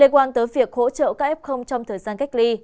hỗ trợ các f trong thời gian cách ly